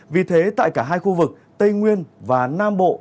vì thế tại cả hai khu vực tây nguyên và nam bộ